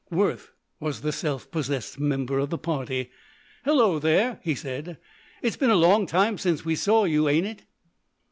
Worth was the self possessed member of the party. "Hello there," he said; "it's been a long time since we saw you, ain't it?"